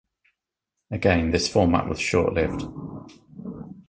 Again, this format was short-lived.